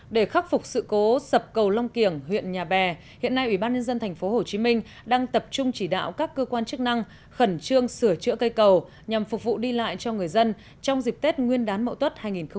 để khắc phục sự cố sập cầu long kiển huyện nhà bè hiện nay ubnd tp hcm đang tập trung chỉ đạo các cơ quan chức năng khẩn trương sửa chữa cây cầu nhằm phục vụ đi lại cho người dân trong dịp tết nguyên đán mậu tuất hai nghìn một mươi tám